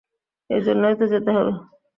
এই জন্যই তো যেতে হবে।